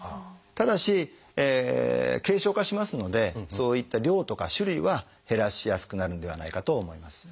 ただし軽症化しますのでそういった量とか種類は減らしやすくなるんではないかと思います。